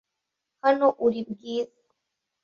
Hano uri, Bwiza .